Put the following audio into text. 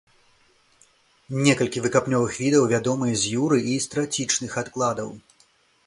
Некалькі выкапнёвых відаў вядомыя з юры і з трацічных адкладаў.